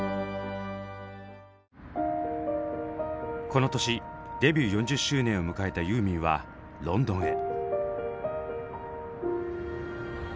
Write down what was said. この年デビュー４０周年を迎えたユーミンはロンドンへ。